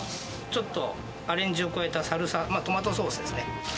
ちょっとアレンジを加えたサルサ、トマトソースですね。